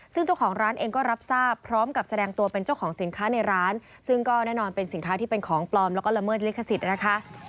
ซึ่งเจ้าของร้านเองก็รับทราบพร้อมกับแสดงตัวเป็นเจ้าของสินค้าในร้านซึ่งก็แน่นอนเป็นสินค้าที่เป็นของปลอมแล้วก็ละเมิดลิขสิทธิ์นะคะ